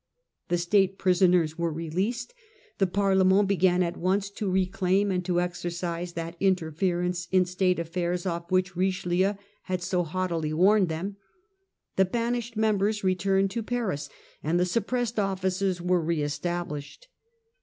The State prisoners were released. The Parlement began at once to reclaim and to exercise that interference in State affairs off which Richelieu had so haughtily warned them ; the banished members returned to Paris and the suppressed offices Claims of were re established.